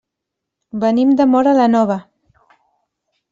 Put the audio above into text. Venim de Móra la Nova.